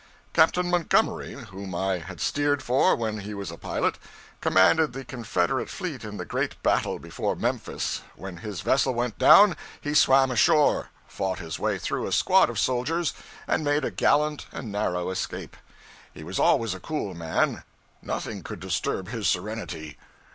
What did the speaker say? Captain Montgomery, whom I had steered for when he was a pilot, commanded the Confederate fleet in the great battle before Memphis; when his vessel went down, he swam ashore, fought his way through a squad of soldiers, and made a gallant and narrow escape. He was always a cool man; nothing could disturb his serenity.